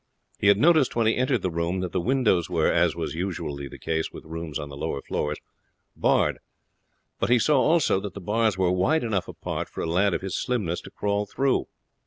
He had noticed when he entered the room that the windows were, as was usually the case with rooms on the lower floors, barred; but he saw also that the bars were wide enough apart for a lad of his slimness to crawl through.